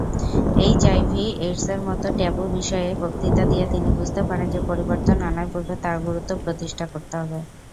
এইচআইভি/এইডসের মত ট্যাবু বিষয়ে বক্তৃতা দিয়ে তিনি বুঝতে পারেন যে পরিবর্তন আনার পূর্বে তার গুরুত্ব প্রতিষ্ঠা করতে হবে।